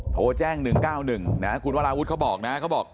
โทรแจ้ง๑๙๑นะครับคุณวราวุฒิเขาบอกนะ